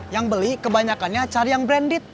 yang beli kebanyakannya cari yang branded